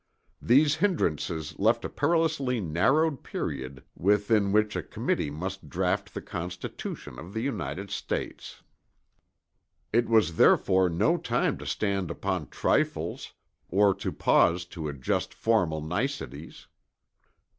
These hindrances left a perilously narrowed period within which a committee must draught the Constitution of the United States. It was therefore no time to stand upon trifles or to pause to adjust formal niceties.